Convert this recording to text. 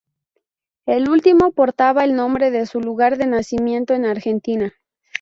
El último portaba el nombre de su lugar de nacimiento en Argentina.